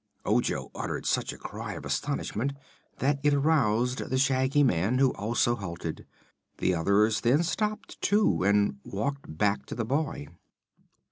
Ojo uttered such a cry of astonishment that it aroused the Shaggy Man, who also halted. The others then stopped, too, and walked back to the boy.